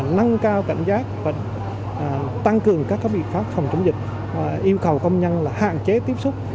nâng cao cảnh giác và tăng cường các biện pháp phòng chống dịch yêu cầu công nhân hạn chế tiếp xúc